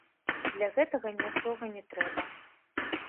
Для гэтага нічога не трэба.